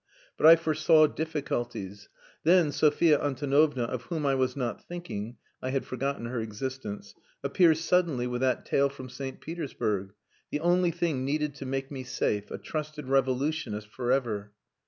But I foresaw difficulties. Then Sophia Antonovna, of whom I was not thinking I had forgotten her existence appears suddenly with that tale from St. Petersburg.... The only thing needed to make me safe a trusted revolutionist for ever.